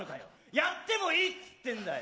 やってもいいっつってんだよ！